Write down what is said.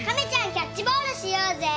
キャッチボールしようぜ！